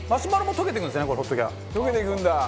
溶けていくんだ！